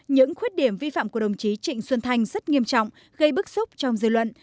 những khuyết điểm vi phạm của đồng chí trịnh xuân thanh rất nghiêm trọng gây bức xúc trong dư luận